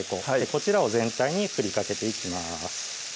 こちらを全体に振りかけていきます